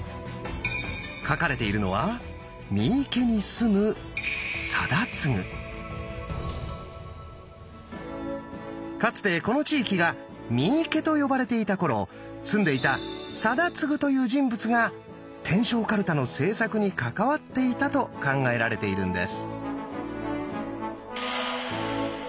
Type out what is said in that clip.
書かれているのはかつてこの地域が三池と呼ばれていた頃住んでいた貞次という人物が天正カルタの製作に関わっていたと考えられているんです。